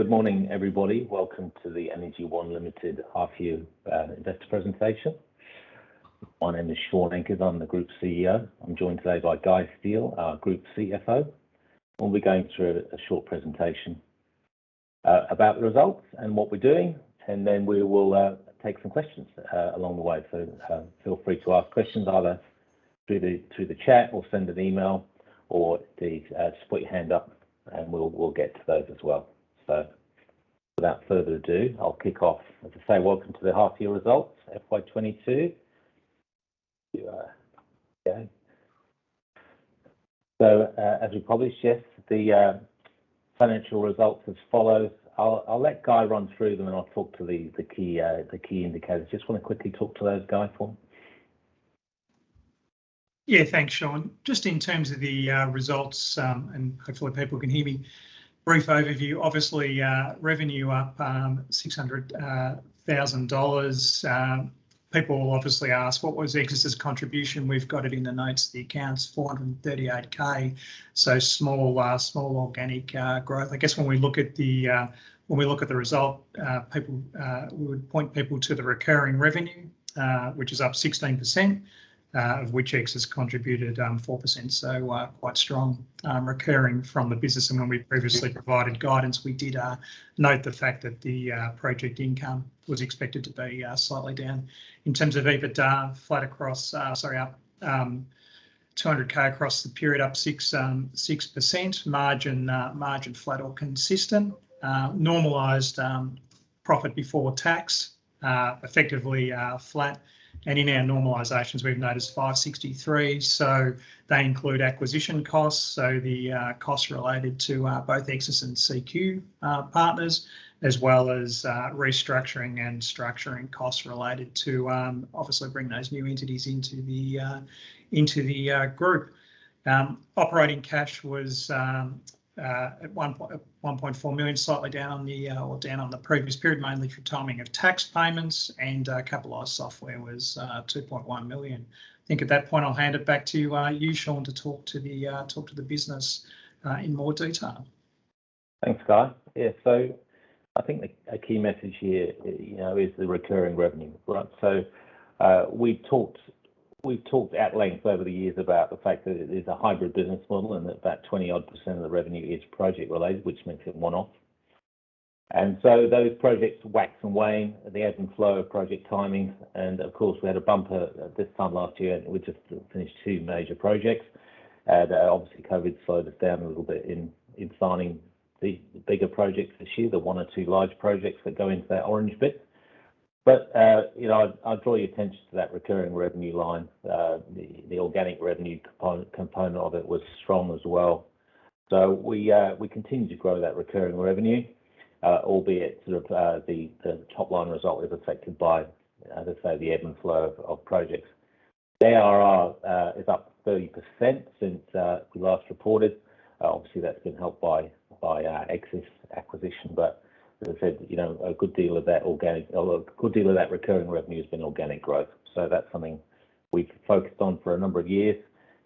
Good morning, everybody. Welcome to the Energy One Limited half year investor presentation. My name is Shaun Ankers. I'm the Group CEO. I'm joined today by Guy Steel, our Group CFO. We'll be going through a short presentation about the results and what we're doing, and then we will take some questions along the way. Feel free to ask questions either through the chat or send an email or please just put your hand up and we'll get to those as well. Without further ado, I'll kick off. As I say, welcome to the half year results, FY 2022. Yeah. As we published, yes, the financial result is as follows. I'll let Guy run through them, and I'll talk to the key indicators. Just wanna quickly talk to those Guy form. Yeah, thanks, Shaun. Just in terms of the results, and hopefully people can hear me. Brief overview, obviously, revenue up 600,000 dollars. People will obviously ask, what was EGSSIS's contribution? We've got it in the notes, the accounts, 438,000. So small organic growth. I guess when we look at the result, we would point people to the recurring revenue, which is up 16%, of which EGSSIS contributed 4%. So quite strong recurring from the business. When we previously provided guidance, we did note the fact that the project income was expected to be slightly down. In terms of EBITDA, up 200,000 across the period, up 6%. Margin flat or consistent. Normalized profit before tax effectively flat. In our normalizations we've noted 563,000. They include acquisition costs, the costs related to both EGSSIS and CQ Partners, as well as restructuring and structuring costs related to obviously bringing those new entities into the group. Operating cash was at 1.4 million, slightly down on the previous period, mainly for timing of tax payments. Capitalized software was 2.1 million. I think at that point I'll hand it back to you, Shaun, to talk to the business in more detail. Thanks, Guy. Yeah. I think a key message here, you know, is the recurring revenue, right? We've talked at length over the years about the fact that it is a hybrid business model and that about 20-odd% of the revenue is project related, which makes it one-off. Those projects wax and wane, the ebb and flow of project timing. Of course we had a bumper this time last year, and we just finished two major projects. Obviously COVID slowed us down a little bit in signing the bigger projects this year, the one or two large projects that go into that orange bit. You know, I'd draw your attention to that recurring revenue line. The organic revenue component of it was strong as well. We continue to grow that recurring revenue, albeit, sort of, the top line result is affected by, as I say, the ebb and flow of projects. ARR is up 30% since we last reported. Obviously that's been helped by EGSSIS acquisition. But as I said, you know, a good deal of that recurring revenue has been organic growth. That's something we've focused on for a number of years,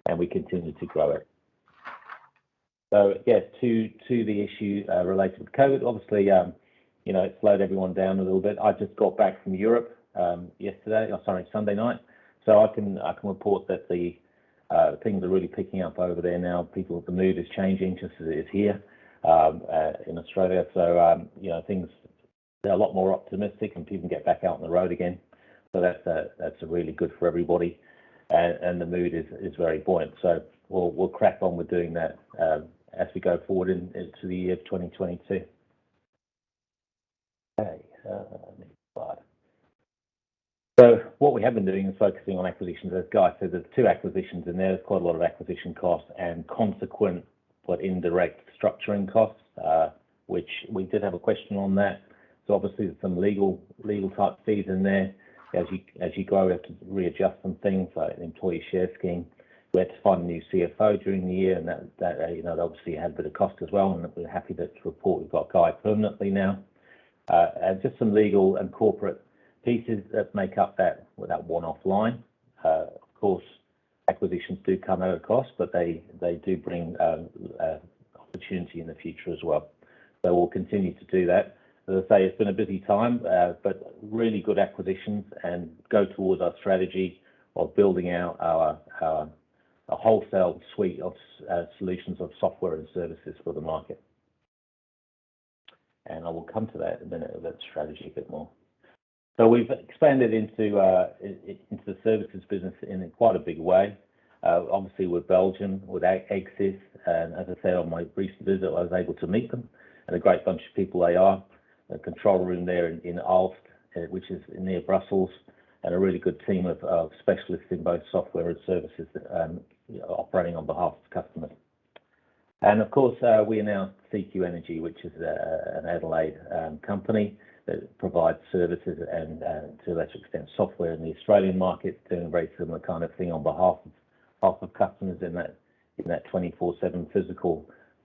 and we continue to grow it. Yes, to the issues related to COVID. Obviously, you know, it's slowed everyone down a little bit. I just got back from Europe yesterday, or sorry, Sunday night. I can report that the things are really picking up over there now. People, the mood is changing just as it is here in Australia. You know, things, they're a lot more optimistic and people can get back out on the road again. That's really good for everybody and the mood is very buoyant. We'll crack on with doing that as we go forward into the year of 2022. Okay. Next slide. What we have been doing is focusing on acquisitions. As Guy said, there's two acquisitions in there. There's quite a lot of acquisition costs and consequent but indirect structuring costs, which we did have a question on that. Obviously, there's some legal type fees in there. As you grow, you have to readjust some things like employee share scheme. We had to find a new CFO during the year, and that, you know, obviously had a bit of cost as well. We're happy to report we've got Guy permanently now. And just some legal and corporate pieces that make up that one-off line. Of course, acquisitions do come at a cost, but they do bring opportunity in the future as well. We'll continue to do that. As I say, it's been a busy time, but really good acquisitions and go towards our strategy of building out our wholesale suite of solutions of software and services for the market. I will come to that in a minute, that strategy a bit more. We've expanded into the services business in quite a big way, obviously with Belgium, with EGSSIS. As I said, on my recent visit, I was able to meet them. A great bunch of people they are. The control room there in Aalst, which is near Brussels, and a really good team of specialists in both software and services, operating on behalf of customers. Of course, we announced CQ Energy, which is an Adelaide company that provides services and to a lesser extent, software in the Australian market, doing a very similar kind of thing on behalf of customers in that 24/7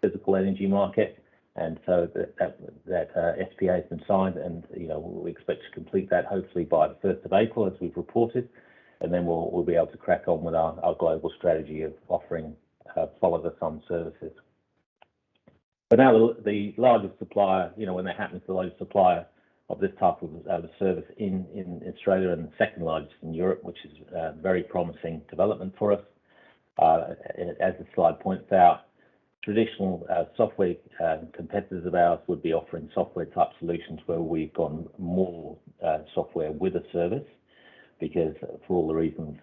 physical energy market. That SPA has been signed, and you know, we expect to complete that hopefully by the 1st of April as we've reported. We'll be able to crack on with our global strategy of offering follow-the-sun services. Now the largest supplier you know when that happens the largest supplier of this type of service in Australia and the second largest in Europe, which is a very promising development for us. As the slide points out, traditional software competitors of ours would be offering software-type solutions where we've gone more software with a service because for all the reasons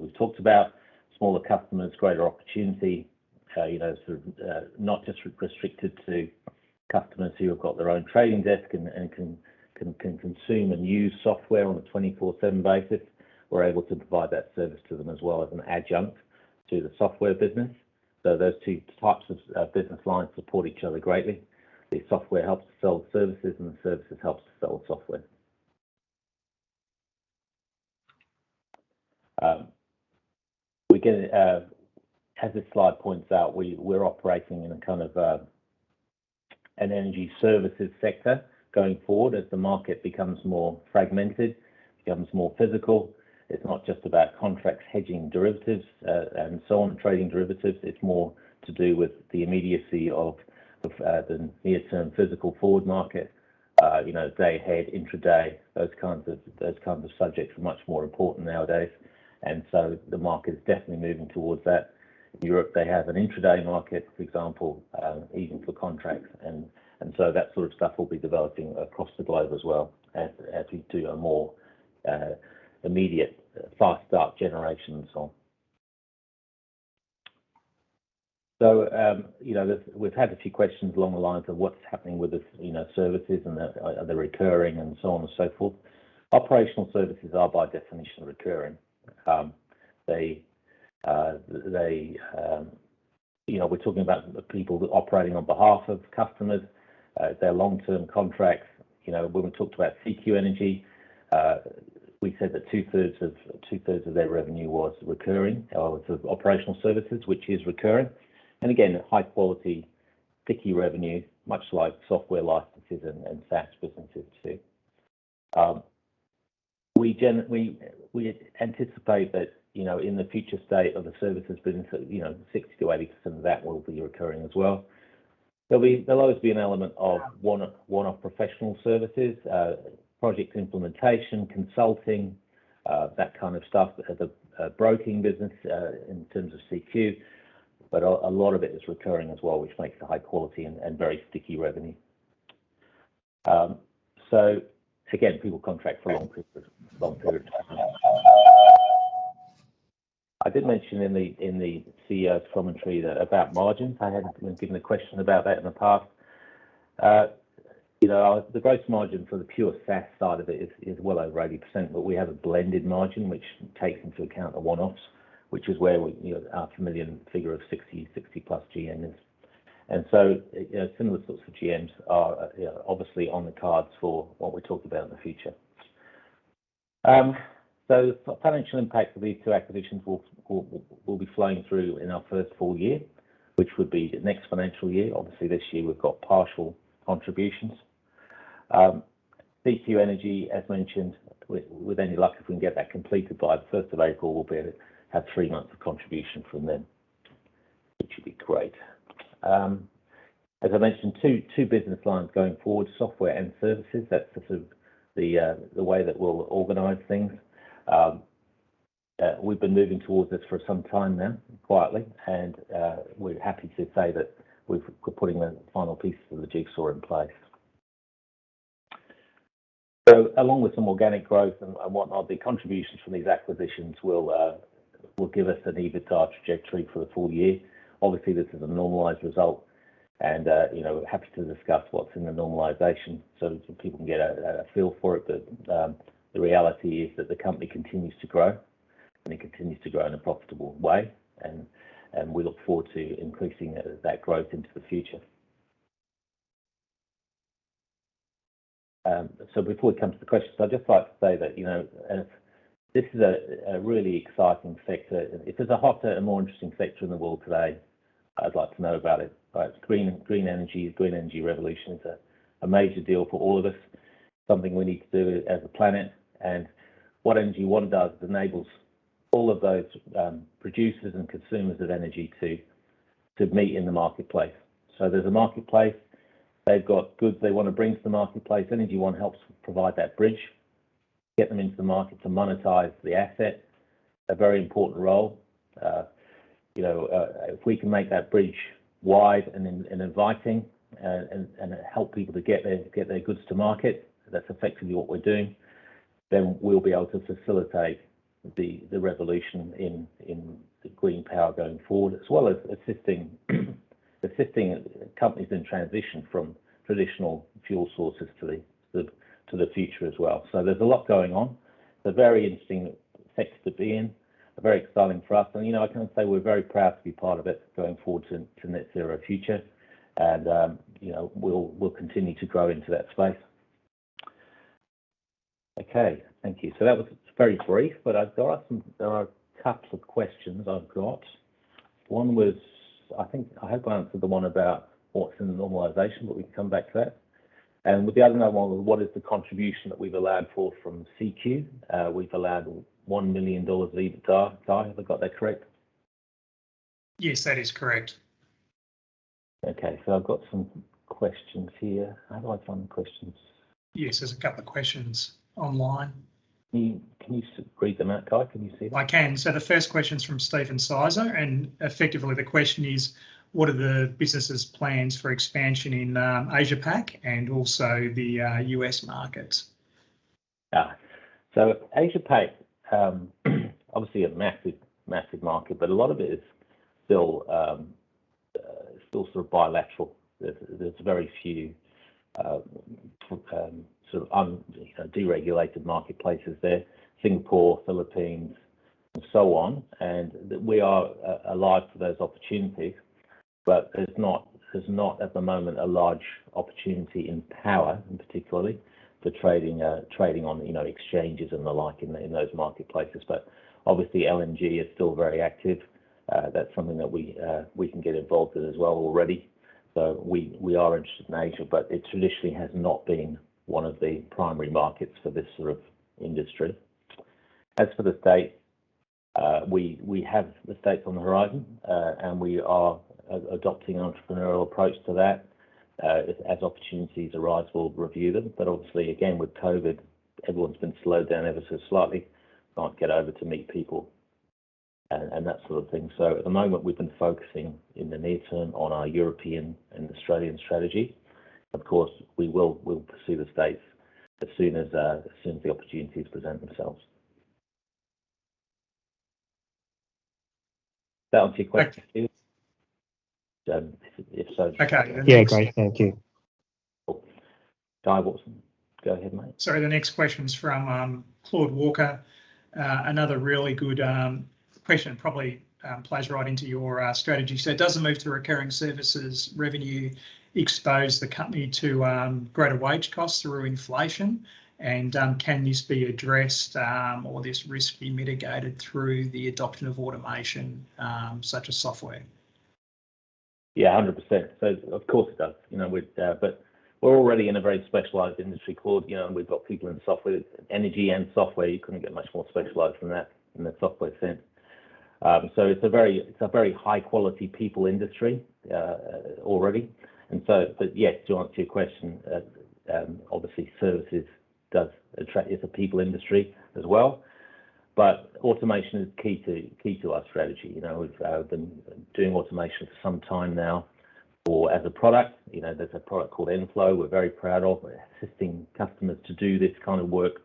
we've talked about, smaller customers, greater opportunity you know sort of not just restricted to customers who have got their own trading desk and can consume and use software on a 24/7 basis. We're able to provide that service to them as well as an adjunct to the software business. Those two types of sub-business lines support each other greatly. The software helps to sell services, and the services helps to sell software. As this slide points out, we're operating in a kind of an energy services sector. Going forward, as the market becomes more fragmented, becomes more physical, it's not just about contracts, hedging derivatives, and so on, trading derivatives, it's more to do with the immediacy of the near-term physical forward market, you know, day-ahead, intraday, those kinds of subjects are much more important nowadays. The market is definitely moving towards that. In Europe, they have an intraday market, for example, even for contracts. That sort of stuff will be developing across the globe as well as we do a more immediate fast start generation and so on. You know, we've had a few questions along the lines of what's happening with the services and the, are they recurring and so on and so forth. Operational services are by definition recurring. They, you know, we're talking about people operating on behalf of customers, their long-term contracts. You know, when we talked about CQ Energy, we said that 2/3 of their revenue was recurring. Well, it's operational services, which is recurring. And again, high quality, sticky revenue, much like software licenses and SaaS businesses too. We anticipate that, you know, in the future state of the services business, you know, 60%-80% of that will be recurring as well. There'll always be an element of one-off professional services, project implementation, consulting, that kind of stuff, the broking business in terms of CQ. A lot of it is recurring as well, which makes it high quality and very sticky revenue. Again, people contract for long period of time. I did mention in the CEO's commentary that, about margins. I had been given a question about that in the past. You know, the gross margin for the pure SaaS side of it is well over 80%, but we have a blended margin which takes into account the one-offs, which is where we, you know, our familiar figure of 60+ GMs. You know, similar sorts of GMs are, you know, obviously on the cards for what we talk about in the future. Financial impact for these two acquisitions will be flowing through in our first full year, which would be next financial year. Obviously, this year we've got partial contributions. CQ Energy, as mentioned, with any luck, if we can get that completed by the 1st of April, we'll be able to have three months of contribution from them, which would be great. As I mentioned, two business lines going forward, software and services. That's sort of the way that we'll organize things. We've been moving towards this for some time now, quietly, and we're happy to say that we're putting the final pieces of the jigsaw in place. Along with some organic growth and whatnot, the contributions from these acquisitions will give us an EBITDA trajectory for the full year. Obviously, this is a normalized result and you know, happy to discuss what's in the normalization so people can get a feel for it. The reality is that the company continues to grow, and it continues to grow in a profitable way and we look forward to increasing that growth into the future. Before we come to the questions, I'd just like to say that you know, this is a really exciting sector. If there's a hotter and more interesting sector in the world today, I'd like to know about it. Green energy revolution is a major deal for all of us, something we need to do as a planet. What Energy One does is enables all of those producers and consumers of energy to meet in the marketplace. There's a marketplace. They've got goods they wanna bring to the marketplace. Energy One helps provide that bridge, get them into the market to monetize the asset. A very important role. You know, if we can make that bridge wide and inviting, and help people to get their goods to market, that's effectively what we're doing, then we'll be able to facilitate the revolution in the green power going forward, as well as assisting companies in transition from traditional fuel sources to the future as well. There's a lot going on. It's a very interesting sector to be in, very exciting for us. You know, I can say we're very proud to be part of it going forward to net zero future. You know, we'll continue to grow into that space. Okay. Thank you. That was very brief, but I've got some. There are a couple of questions I've got. One was, I think I have answered the one about what's in the normalization, but we can come back to that. With the other number one, what is the contribution that we've allowed for from CQ? We've allowed 1 million dollars EBITDA. Guy, have I got that correct? Yes, that is correct. Okay. I've got some questions here. How do I find the questions? Yes. There's a couple of questions online. Can you read them out, Kai? Can you see them? I can. The first question's from Steven Sizer, and effectively the question is, what are the business's plans for expansion in Asia-Pac and also the U.S. markets? Yeah. Asia-Pac obviously a massive market, but a lot of it is still sort of bilateral. There's very few sort of you know, deregulated marketplaces there, Singapore, Philippines, and so on. We are alive to those opportunities, but there's not at the moment a large opportunity in power, and particularly for trading on you know, exchanges and the like in those marketplaces. But obviously LNG is still very active. That's something that we can get involved in as well already. We are interested in Asia, but it traditionally has not been one of the primary markets for this sort of industry. As for the States, we have the States on the horizon, and we are adopting an entrepreneurial approach to that. As opportunities arise, we'll review them. Obviously, again, with COVID, everyone's been slowed down ever so slightly. Can't get over to meet people and that sort of thing. At the moment, we've been focusing in the near term on our European and Australian strategy. Of course, we will pursue the States as soon as the opportunities present themselves. Does that answer your question, Steve? Great. If so. Okay. Yeah. Great. Thank you. Cool. Claude Walker, go ahead, mate. Sorry. The next question's from Claude Walker. Another really good question. Probably plays right into your strategy. Doesn't move to recurring services revenue expose the company to greater wage costs through inflation? And can this be addressed or this risk be mitigated through the adoption of automation such as software? Yeah, 100%. Of course it does, you know, but we're already in a very specialized industry, Claude. You know, we've got people in software. Energy and software, you couldn't get much more specialized than that in the software sense. It's a very high quality people industry, already. But yes, to answer your question, obviously services does attract, it's a people industry as well, but automation is key to our strategy. You know, we've been doing automation for some time now. Or as a product, you know, there's a product called enFlow we're very proud of. We're assisting customers to do this kind of work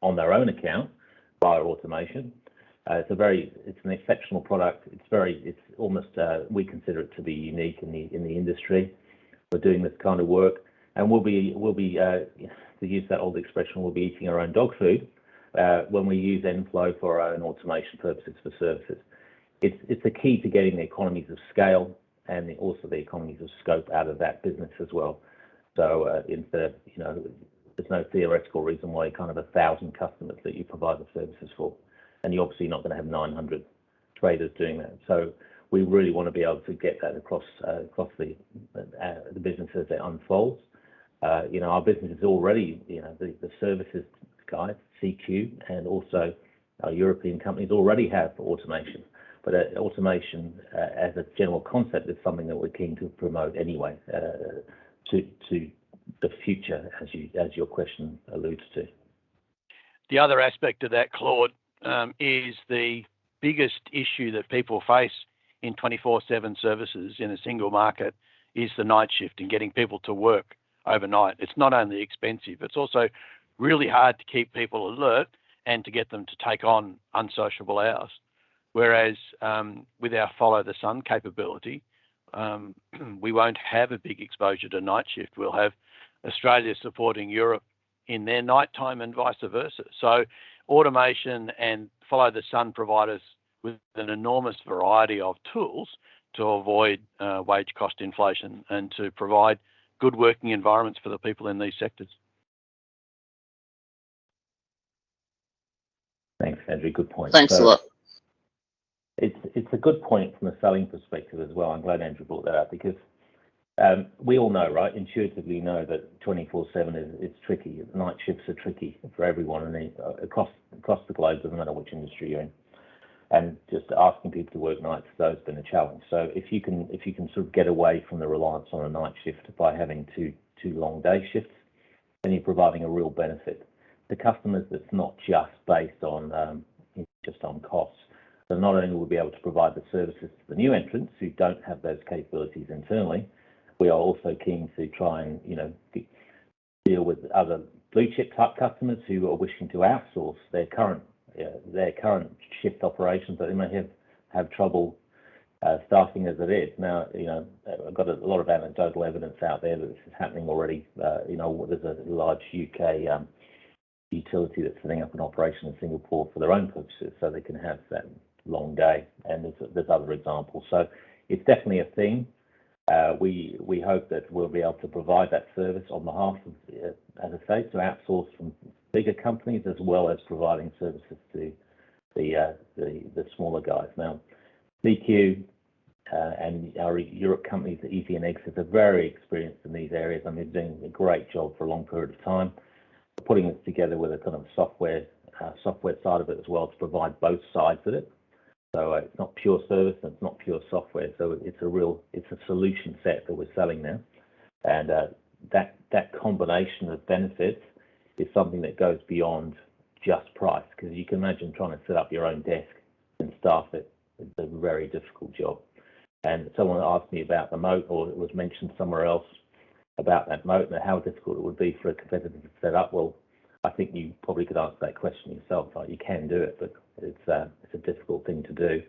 on their own account via automation. It's an exceptional product. We consider it to be unique in the industry for doing this kind of work. We'll be, to use that old expression, eating our own dog food when we use enFlow for our own automation purposes for services. It's the key to getting the economies of scale and also the economies of scope out of that business as well. Instead of you know, there's no theoretical reason why you kind of have 1,000 customers that you provide the services for, and you're obviously not gonna have 900 traders doing that. We really wanna be able to get that across the business as it unfolds. You know, our business is already you know the services guys, CQ, and also our European companies already have automation. Automation as a general concept is something that we're keen to promote anyway to the future as your question alludes to. The other aspect of that, Claude, is the biggest issue that people face in 24/7 services in a single market is the night shift and getting people to work overnight. It's not only expensive, it's also really hard to keep people alert and to get them to take on unsociable hours. Whereas, with our follow-the-sun capability, we won't have a big exposure to night shift. We'll have Australia supporting Europe in their nighttime and vice versa. Automation and follow the sun provide us with an enormous variety of tools to avoid wage cost inflation and to provide good working environments for the people in these sectors. Thanks, Andrew. Good point. Thanks a lot. It's a good point from a selling perspective as well. I'm glad Andrew brought that up because we all know, right, intuitively know that 24/7 is tricky. Night shifts are tricky for everyone across the globe, it doesn't matter which industry you're in. Just asking people to work nights, so it's been a challenge. If you can sort of get away from the reliance on a night shift by having two long day shifts, then you're providing a real benefit to customers that's not just based on just on costs. Not only will we be able to provide the services to the new entrants who don't have those capabilities internally, we are also keen to try and, you know, deal with other blue chip type customers who are wishing to outsource their current, their current shift operations, but they may have trouble staffing as it is. Now, you know, I've got a lot of anecdotal evidence out there that this is happening already. You know, there's a large U.K. utility that's setting up an operation in Singapore for their own purposes, so they can have that long day, and there's other examples. It's definitely a thing. We hope that we'll be able to provide that service on behalf of, as I say, to outsource from bigger companies as well as providing services to the smaller guys. Now, CQ and our European companies, eZ-nergy and EGSSIS, are very experienced in these areas and have been doing a great job for a long period of time. We're putting this together with a kind of software side of it as well to provide both sides of it. It's not pure service, and it's not pure software, so it's a real solution set that we're selling now. That combination of benefits is something that goes beyond just price, 'cause you can imagine trying to set up your own desk and staff it. It's a very difficult job. Someone asked me about the moat, or it was mentioned somewhere else about that moat and how difficult it would be for a competitor to set up. Well, I think you probably could answer that question yourself, right? You can do it, but it's a difficult thing to do,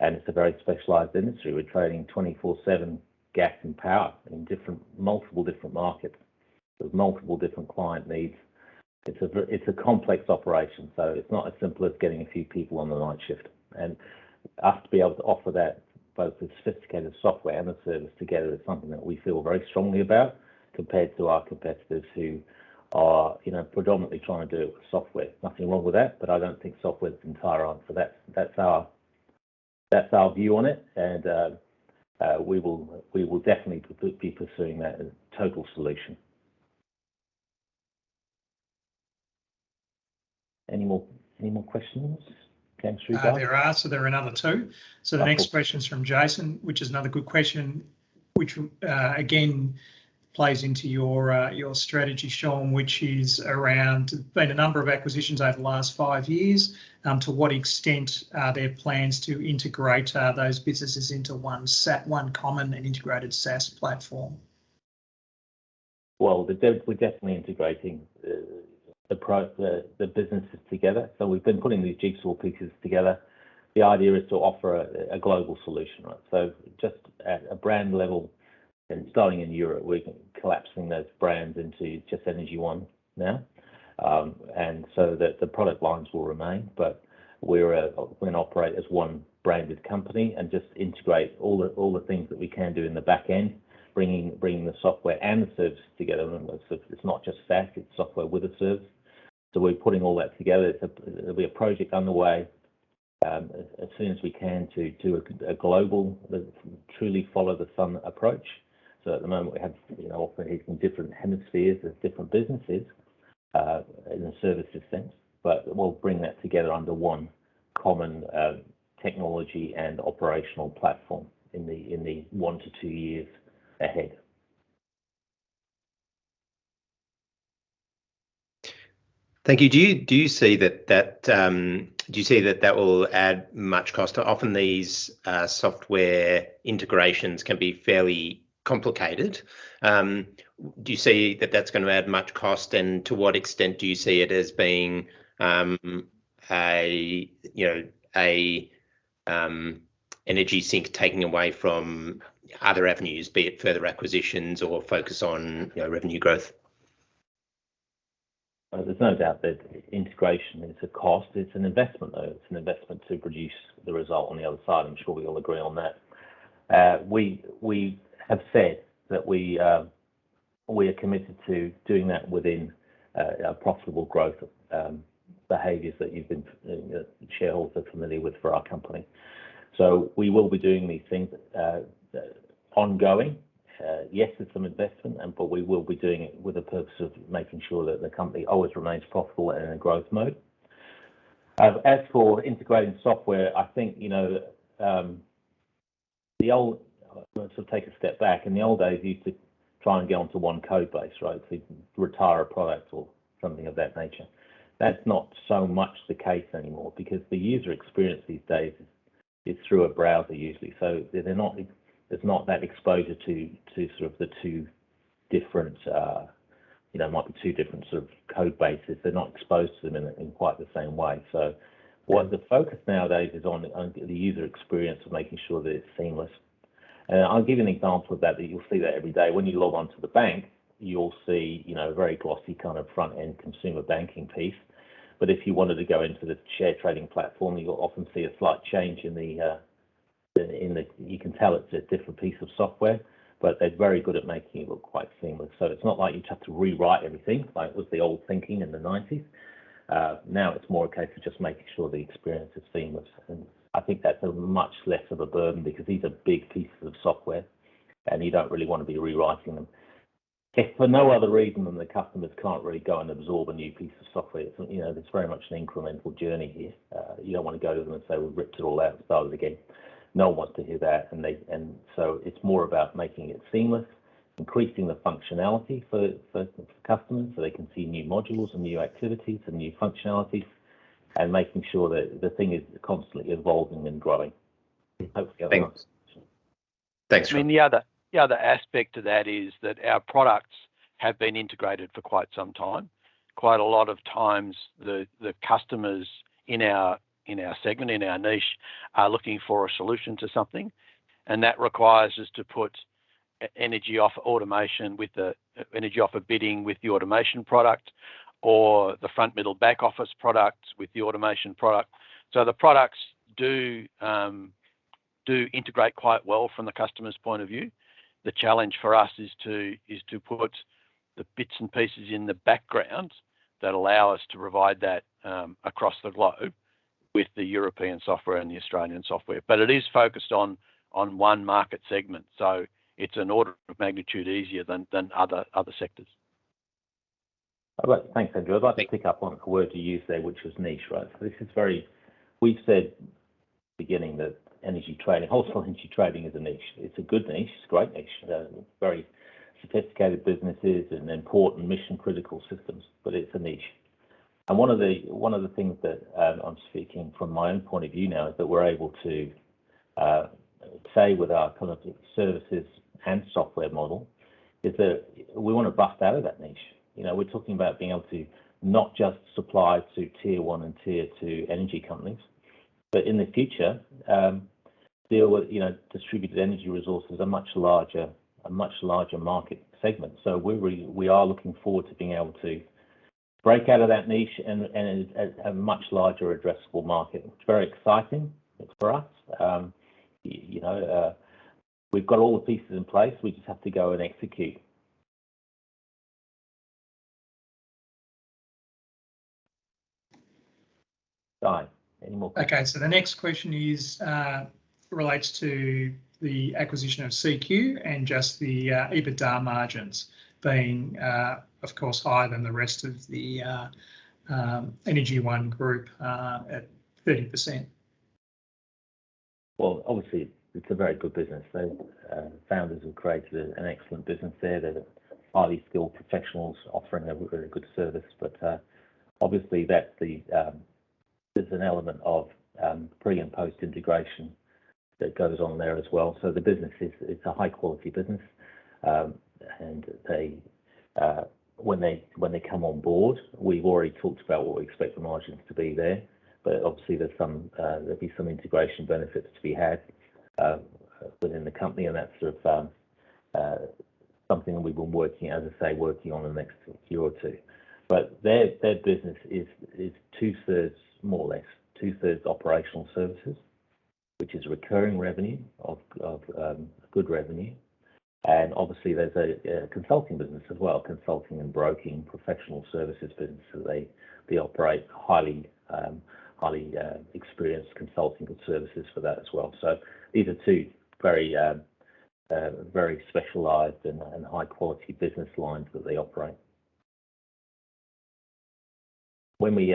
and it's a very specialized industry. We're trading 24/7 gas and power in different, multiple different markets with multiple different client needs. It's a complex operation, so it's not as simple as getting a few people on the night shift. Us to be able to offer that, both the sophisticated software and the service together is something that we feel very strongly about compared to our competitors who are, you know, predominantly trying to do it with software. Nothing wrong with that, but I don't think software's the entire answer. That's our view on it, and we will definitely be pursuing that total solution. Any more questions came through, guys? There are another two. Oh, cool. The next question's from Jason, which is another good question, which again plays into your strategy, Shaun, which is around, there's been a number of acquisitions over the last five years. To what extent are there plans to integrate those businesses into one common and integrated SaaS platform? Well, we're definitely integrating the businesses together. We've been putting these jigsaw pieces together. The idea is to offer a global solution, right? Just at a brand level, and starting in Europe, we're collapsing those brands into just Energy One now. The product lines will remain, but we're gonna operate as one branded company and just integrate all the things that we can do in the back end, bringing the software and the service together. It's not just SaaS, it's software with a service. We're putting all that together. It'll be a project underway as soon as we can to a global, truly follow-the-sun approach. At the moment, we have, you know, operating in different hemispheres of different businesses in a services sense, but we'll bring that together under one common technology and operational platform in the one to two years ahead. Thank you. Do you see that that will add much cost? Often these software integrations can be fairly complicated. Do you see that that's gonna add much cost? To what extent do you see it as being a, you know, energy sink taking away from other avenues, be it further acquisitions or focus on, you know, revenue growth? Well, there's no doubt that integration is a cost. It's an investment, though. It's an investment to produce the result on the other side. I'm sure we all agree on that. We have said that we are committed to doing that within our profitable growth behaviors that shareholders are familiar with for our company. We will be doing these things ongoing. Yes, there's some investment and, but we will be doing it with the purpose of making sure that the company always remains profitable and in a growth mode. As for integrating software, I think, you know, take a step back. In the old days, you used to try and get onto one code base, right? You can retire a product or something of that nature. That's not so much the case anymore because the user experience these days is through a browser usually. They're not, there's not that exposure to sort of the two different, you know, might be different sort of code bases. They're not exposed to them in quite the same way. What the focus nowadays is on the user experience of making sure that it's seamless. I'll give you an example of that you'll see every day. When you log on to the bank, you'll see, you know, a very glossy kind of front-end consumer banking piece. If you wanted to go into the share trading platform, you'll often see a slight change. You can tell it's a different piece of software, but they're very good at making it look quite seamless. It's not like you'd have to rewrite everything like it was the old thinking in the '90s. Now it's more a case of just making sure the experience is seamless. I think that's a much less of a burden because these are big pieces of software, and you don't really wanna be rewriting them. If for no other reason than the customers can't really go and absorb a new piece of software, it's, you know, it's very much an incremental journey here. You don't wanna go to them and say, "We've ripped it all out and started again." No one wants to hear that, and so it's more about making it seamless, increasing the functionality for customers, so they can see new modules and new activities and new functionalities, and making sure that the thing is constantly evolving and growing. Hopefully. Thanks. I mean, the other aspect to that is that our products have been integrated for quite some time. Quite a lot of times the customers in our segment, in our niche are looking for a solution to something, and that requires us to put EnergyOffer automation with the EnergyOffer bidding with the automation product or the front, middle, back office product with the automation product. So the products do integrate quite well from the customer's point of view. The challenge for us is to put- The bits and pieces in the background that allow us to provide that across the globe with the European software and the Australian software. It is focused on one market segment, so it's an order of magnitude easier than other sectors. All right. Thanks, Andrew. I'd like to pick up on a word you used there, which was niche, right? We said at the beginning that energy trading, wholesale energy trading is a niche. It's a good niche. It's a great niche. Very sophisticated businesses and important mission-critical systems, but it's a niche. One of the things that I'm speaking from my own point of view now is that we're able to say with our kind of services and software model is that we wanna bust out of that niche. You know, we're talking about being able to not just supply to tier one and tier two energy companies, but in the future, deal with, you know, distributed energy resources a much larger market segment. We are looking forward to being able to break out of that niche and as a much larger addressable market, which is very exciting for us. You know, we've got all the pieces in place. We just have to go and execute. Guy, any more questions? Okay. The next question relates to the acquisition of CQ and just the EBITDA margins being, of course, higher than the rest of the Energy One group at 30%. Well, obviously, it's a very good business. The founders have created an excellent business there. They're highly skilled professionals offering a very good service. Obviously there's an element of pre- and post-integration that goes on there as well. The business is a high-quality business, and when they come on board, we've already talked about what we expect the margins to be there. Obviously, there'll be some integration benefits to be had within the company, and that's sort of something we've been working on, as I say, in the next year or two. Their business is 2/3, more or less, operational services, which is recurring revenue of good revenue. Obviously, there's a consulting business as well, consulting and broking, professional services business that they operate. Highly experienced consulting services for that as well. These are two very specialized and high quality business lines that they operate. When we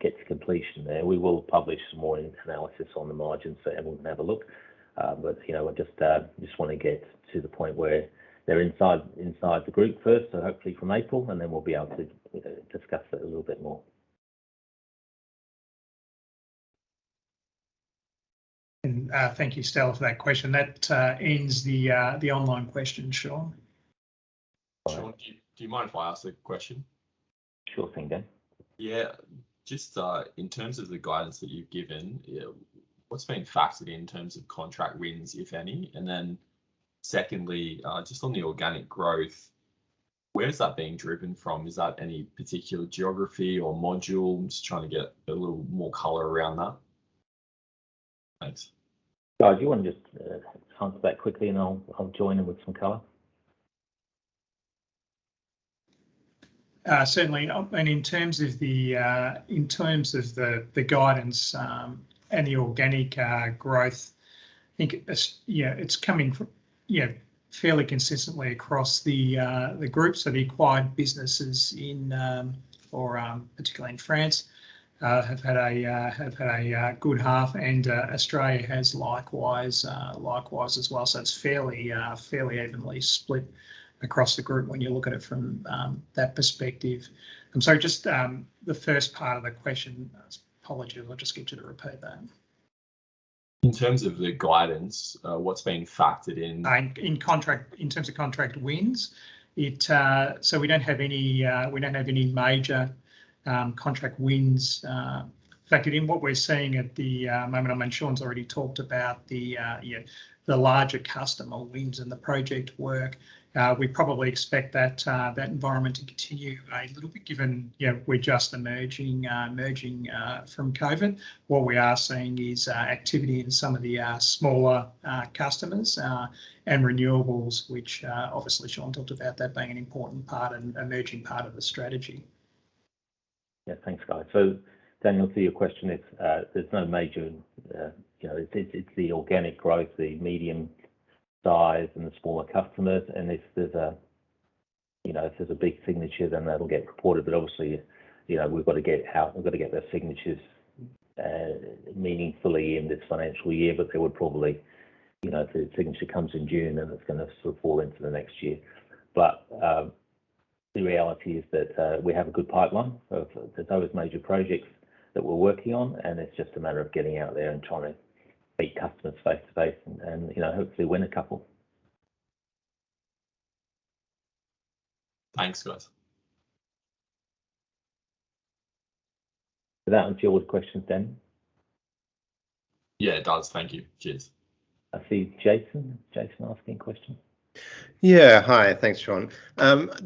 get to completion there, we will publish some more analysis on the margins for everyone to have a look. But you know, I just wanna get to the point where they're inside the group first, so hopefully from April, and then we'll be able to discuss it a little bit more. Thank you, Stella, for that question. That ends the online questions, Shaun. Shaun, do you mind if I ask a question? Sure thing, Dan. Yeah. Just, in terms of the guidance that you've given, what's being factored in terms of contract wins, if any? And then secondly, just on the organic growth, where is that being driven from? Is that any particular geography or module? I'm just trying to get a little more color around that. Thanks. Guy, do you wanna just answer that quickly, and I'll join in with some color? Certainly. In terms of the guidance and the organic growth, I think it's, you know, coming from, you know, fairly consistently across the groups. The acquired businesses, or particularly in France, have had a good half, and Australia has likewise as well. It's fairly evenly split across the group when you look at it from that perspective. I'm sorry, just the first part of the question. Apologies. I'll just get you to repeat that. In terms of the guidance, what's being factored in? In terms of contract wins, so we don't have any major contract wins factored in. What we're seeing at the moment, I mean, Shaun's already talked about the, you know, the larger customer wins and the project work. We probably expect that environment to continue a little bit given, you know, we're just emerging from COVID. What we are seeing is activity in some of the smaller customers and renewables, which obviously Shaun talked about that being an important part and emerging part of the strategy. Yeah. Thanks, Guy. So Daniel, to your question, it's, there's no major, you know. It's the organic growth, the medium size and the smaller customers. If there's a big signature, then that'll get reported. Obviously, you know, we've gotta get out, we've gotta get the signatures, meaningfully in this financial year. There would probably, you know, if a signature comes in June, then it's gonna sort of fall into the next year. The reality is that, we have a good pipeline of, you know, those major projects that we're working on, and it's just a matter of getting out there and trying to meet customers face to face and, you know, hopefully win a couple. Thanks, guys. Did that answer your questions, Dan? Yeah, it does. Thank you. Cheers. I see Jason. Jason asking a question. Yeah. Hi. Thanks, Shaun.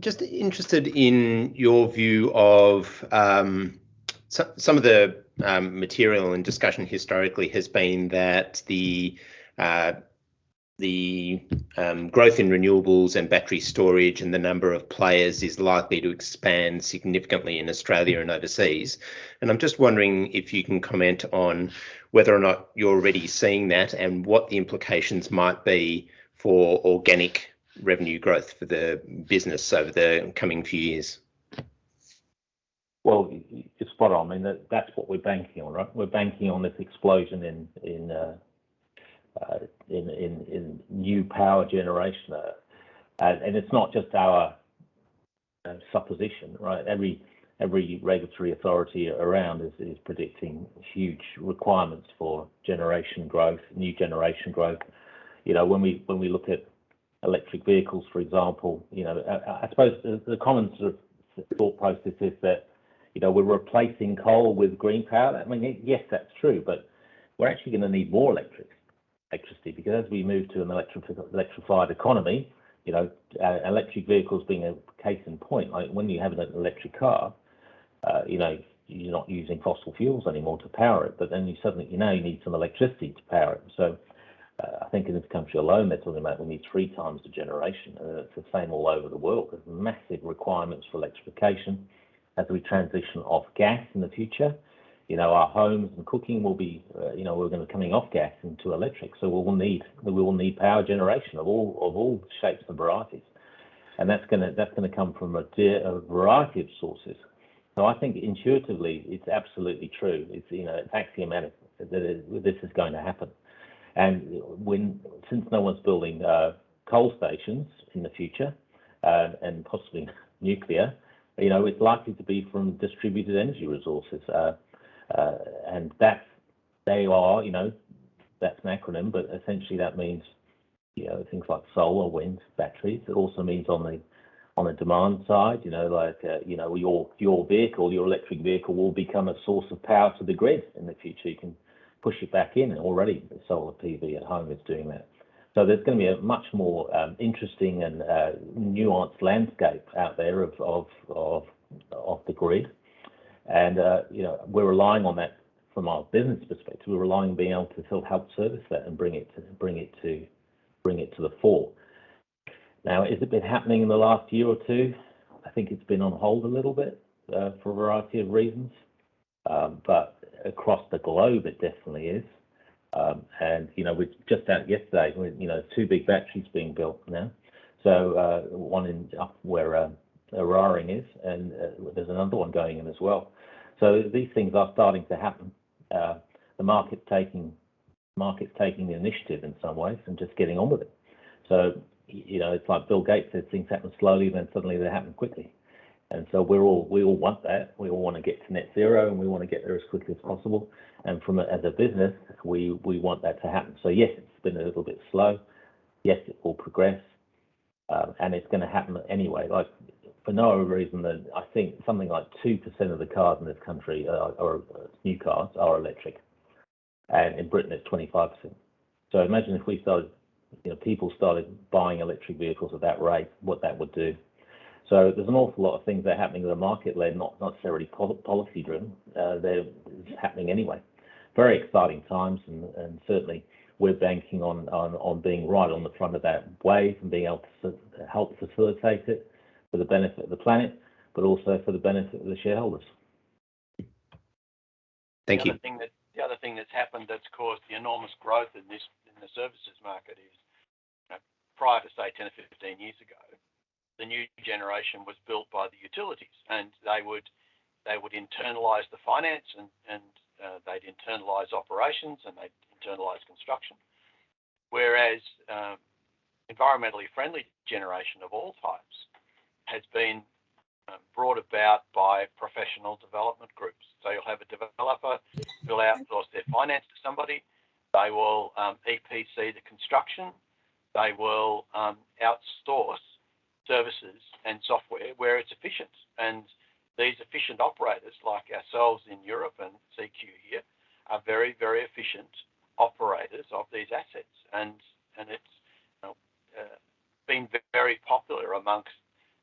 Just interested in your view of, Some of the material and discussion historically has been that the growth in renewables and battery storage and the number of players is likely to expand significantly in Australia and overseas. I'm just wondering if you can comment on whether or not you're already seeing that and what the implications might be for organic revenue growth for the business over the coming few years? Well, you're spot on. I mean, that's what we're banking on, right? We're banking on this explosion in new power generation. It's not just our supposition, right? Every regulatory authority around is predicting huge requirements for new generation growth. You know, when we look at electric vehicles, for example, you know, I suppose the common sort of thought process is that, you know, we're replacing coal with green power. I mean, yes, that's true, but we're actually gonna need more electricity because as we move to an electrified economy, you know, electric vehicles being a case in point, like when you have an electric car, you know, you're not using fossil fuels anymore to power it, but then you suddenly, you know, you need some electricity to power it. So, I think in this country alone, they're talking about we'll need three times the generation. It's the same all over the world. There's massive requirements for electrification. As we transition off gas in the future, you know, our homes and cooking will be, you know, we're gonna coming off gas into electric. So we'll need power generation of all shapes and varieties. That's gonna come from a variety of sources. I think intuitively it's absolutely true. It's, you know, it's axiomatic that this is going to happen. Since no one's building coal stations in the future and possibly nuclear, you know, it's likely to be from distributed energy resources. And that's an acronym, but essentially that means, you know, things like solar, wind, batteries. It also means on the demand side, you know, like, you know, your vehicle, your electric vehicle will become a source of power to the grid in the future. You can push it back in and already solar PV at home is doing that. There's gonna be a much more interesting and nuanced landscape out there of the grid. You know, we're relying on that from our business perspective. We're relying on being able to help service that and bring it to the fore. Now, has it been happening in the last year or two? I think it's been on hold a little bit for a variety of reasons. But across the globe, it definitely is. And you know, we've just heard yesterday, you know, two big batteries being built now. One in where Eraring is, and there's another one going in as well. These things are starting to happen. The market's taking the initiative in some ways and just getting on with it. You know, it's like Bill Gates said, things happen slowly, then suddenly they happen quickly. We all want that. We all wanna get to net zero, and we wanna get there as quickly as possible. As a business, we want that to happen. Yes, it's been a little bit slow. Yes, it will progress. It's gonna happen anyway. Like, for no other reason than I think something like 2% of the new cars in this country are electric. In Britain it's 25%. Imagine if we started, you know, people started buying electric vehicles at that rate, what that would do. There's an awful lot of things that are happening to the market. They're not necessarily policy driven. They're happening anyway. Very exciting times and certainly we're banking on being right on the front of that wave and being able to help facilitate it for the benefit of the planet, but also for the benefit of the shareholders. Thank you. The other thing that's happened that's caused the enormous growth in the services market is, you know, prior to, say, 10 or 15 years ago, the new generation was built by the utilities. They would internalize the finance and they'd internalize operations, and they'd internalize construction. Whereas, environmentally friendly generation of all types has been brought about by professional development groups. You'll have a developer who'll outsource their finance to somebody. They will EPC the construction. They will outsource services and software where it's efficient. These efficient operators, like ourselves in Europe and CQ here, are very, very efficient operators of these assets. It's been very popular among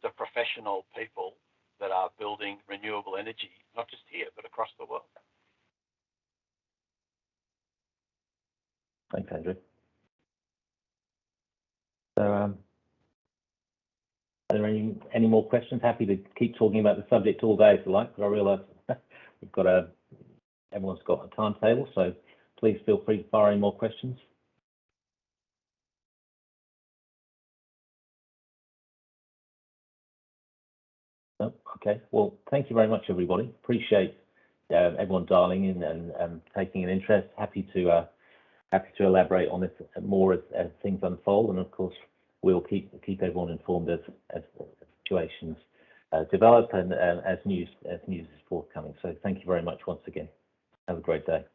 the professional people that are building renewable energy, not just here, but across the world. Thanks, Andrew. Are there any more questions? Happy to keep talking about the subject all day if you like, but I realize we've got a timetable, everyone's got a timetable, so please feel free to fire any more questions. No? Okay. Well, thank you very much, everybody. I appreciate everyone dialing in and taking an interest. Happy to elaborate on this more as things unfold. Of course, we'll keep everyone informed as situations develop and as news is forthcoming. Thank you very much once again. Have a great day.